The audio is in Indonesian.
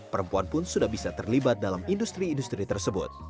perempuan pun sudah bisa terlibat dalam industri industri tersebut